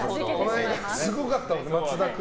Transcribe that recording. この間、すごかったもん松田君。